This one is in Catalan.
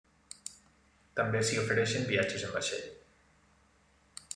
També s'hi ofereixen viatges en vaixell.